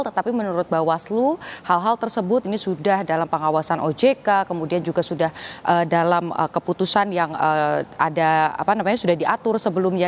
tetapi menurut bawaslu hal hal tersebut ini sudah dalam pengawasan ojk kemudian juga sudah dalam keputusan yang sudah diatur sebelumnya